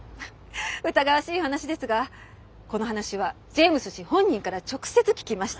疑わしい話ですがこの話はジェームズ氏本人から直接聞きました。